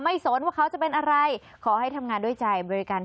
สนว่าเขาจะเป็นอะไรขอให้ทำงานด้วยใจบริการ